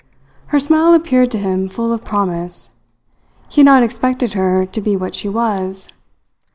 Her smile appeared to him full of promise. He had not expected her to be what she was.